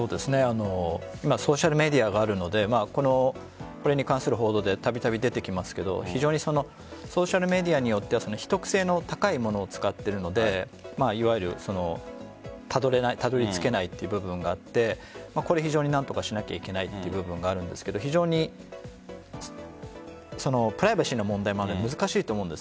今、ソーシャルメディアがあるのでこれに関する報道でたびたび出てきますが非常にソーシャルメディアによっては秘匿性の高いものを使っているのでいわゆるたどり着けないという部分があって非常に何とかしなければいけないという部分があるんですがプライバシーの問題もあるので難しいと思うんです。